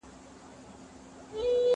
زه اوس ونې ته اوبه ورکوم؟